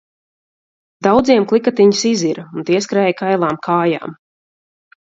Daudziem klikatiņas izira un tie skrēja kailām kājām.